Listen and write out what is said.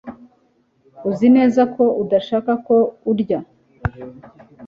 Uzi neza ko udashaka ko urya